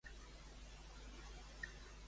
Era la participant més inexperta de Top Chef?